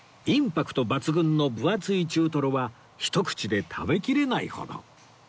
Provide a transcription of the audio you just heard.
インパクト抜群の分厚い中トロはひと口で食べきれないほど